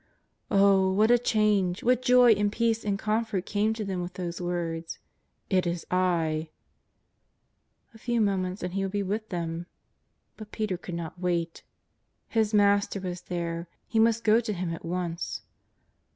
'' Oh, what a change, what joy and peace and comfort came to them with those words: ''It is I !" A few moments and He would be with them. But Peter could not wait. His Master was there; he must go to Him at once.